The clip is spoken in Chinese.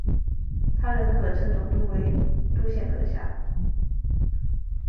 他人可称总督为督宪阁下。